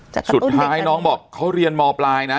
สุดท้ายน้องบอกเขาเรียนมปลายนะ